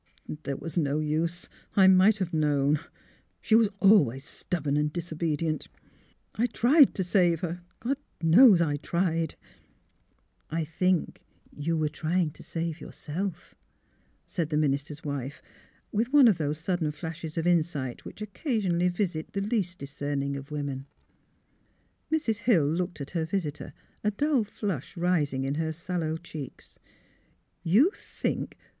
'' There was no use — I might have known. She was always stubborn and disobedient. I — tried to save her. God knows I tried !''" I think you were trying to save yourself," said the minister's wife, with one of those sud SYLVIA'S CHILD 283 den flashes of insight which occasionally visit the least discerning of women. Mrs. Hill looked at her visitor, a dull flush ris ing in her sallow cheeks. '' You think